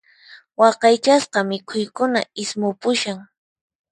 Waqaychasqa mikhuykuna ismupushan.